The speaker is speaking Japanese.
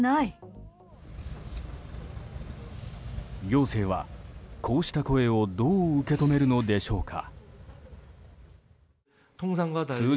行政は、こうした声をどう受け止めるのでしょうか。